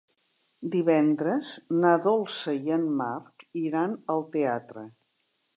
Divendres na Dolça i en Marc iran al teatre.